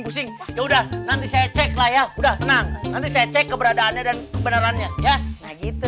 pusing ya udah nanti saya cek layak udah nanti saya cek keberadaannya dan kebenarannya ya gitu